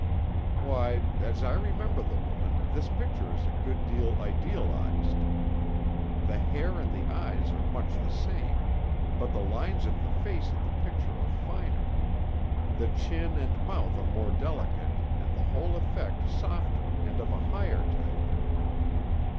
"Why, as I remember the woman, this picture is a good deal idealized. The hair and the eyes are much the same. But the lines of the face in the picture are finer. The chin and mouth are more delicate, and the whole effect softer and of a higher type."